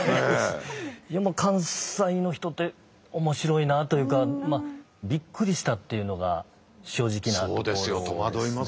いや関西の人って面白いなというかビックリしたっていうのが正直なところですね。